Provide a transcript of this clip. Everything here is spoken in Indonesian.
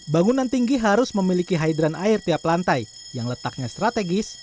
bangunan tinggi harus memiliki hidran air tiap lantai yang letaknya strategis